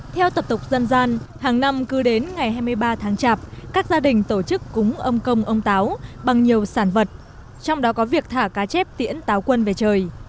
theo tập tục dân gian hàng năm cứ đến ngày hai mươi ba tháng chạp các gia đình tổ chức cúng ông công ông táo bằng nhiều sản vật trong đó có việc thả cá chép tiễn tiễn táo quân về trời